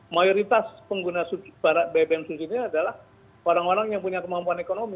mayoritas pengguna bbm subsidi ini adalah orang orang yang punya kemampuan ekonomi